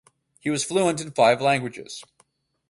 He was fluent in five languages.